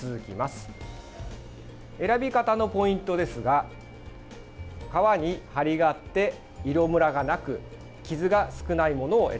選び方のポイントですが皮に張りがあって色むらがなく傷が少ないものを選びましょう。